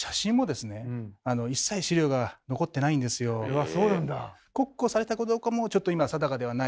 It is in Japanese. うわそうなんだ。